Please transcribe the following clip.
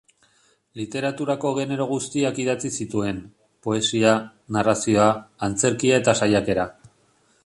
Literaturako genero guztiak idatzi zituen: poesia, narrazioa, antzerkia eta saiakera.